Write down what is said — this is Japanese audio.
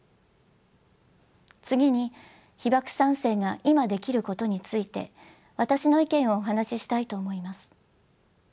次に被爆三世が今できることについて私の意見をお話ししたいと思います。